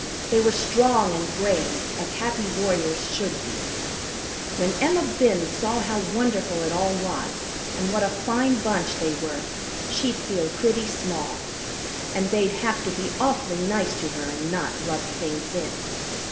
They were strong and brave, as Happy Warriors should be. When Emma Binns saw how wonderful it all was and what a fine bunch they were, she'd feel pretty small. And they'd have to be awfully nice to her and not rub things in.